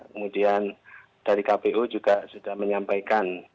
kemudian dari kpu juga sudah menyampaikan